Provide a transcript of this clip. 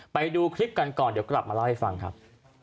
ไปดูคลิปกันก่อนเดี๋ยวกลับมาเล่าให้ฟังครับ